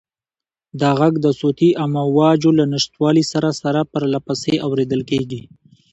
دا غږ د صوتي امواجو له نشتوالي سره سره پرله پسې اورېدل کېږي.